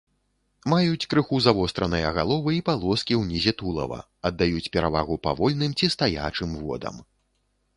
Маюць крыху завостраныя галовы і палоскі ўнізе тулава, аддаюць перавагу павольным ці стаячым водам.